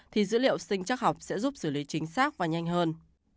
thì dữ liệu sinh chắc học sẽ giúp xử lý chính xác và nhanh hơn